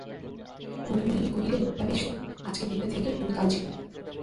হরিমোহিনী কহিলেন, তা বেশ তো, আজকের দিনটা থেকে তুমি কাল যেয়ো।